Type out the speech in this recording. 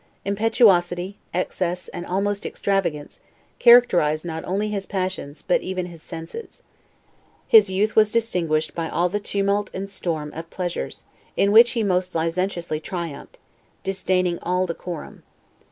Impetuosity, excess, and almost extravagance, characterized not only his passions, but even his senses. His youth was distinguished by all the tumult and storm of pleasures, in which he most licentiously triumphed, disdaining all decorum.